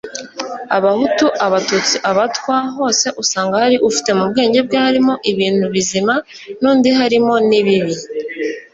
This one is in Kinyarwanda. abahutu abatutsi abatwa, hose uzasanga hari ufite mu bwenge bwe harimo ibintu bizima n'undi harimo n'ibibi